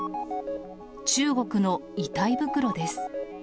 中国の遺体袋です。